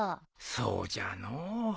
そうじゃのう。